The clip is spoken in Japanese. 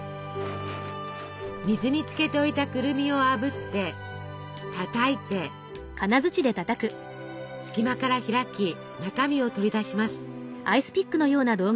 水につけておいたくるみをあぶってたたいて隙間から開き中身を取り出します。